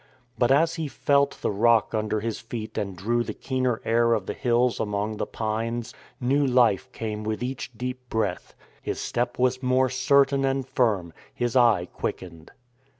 But as he felt the rock under his feet and drew the keener air of the hills among the pines, new life came with each deep breath. His step was more certain and firm, his eye quickened.